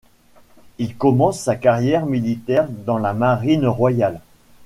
Il commence sa carrière militaire dans la Marine royale.